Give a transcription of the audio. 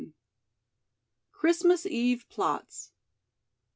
CHRISTMAS EVE PLOTS.